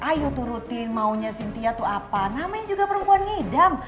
ayo tuh rutin maunya sintia tuh apa namanya juga perempuan ngidam